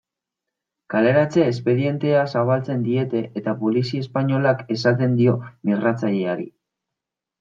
Kaleratze espedientea zabaltzen diete eta polizia espainolak esaten dio migratzaileari.